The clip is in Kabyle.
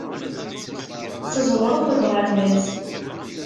Tẓewremt deg uɣerbaz.